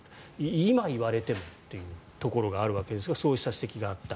今言われてもっていうところがあるわけですがそうした指摘があった。